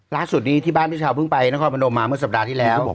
ล่าสุดนี้ที่บ้านพี่ชาวเพิ่งไปนครพนมมาเมื่อสัปดาห์ที่แล้ว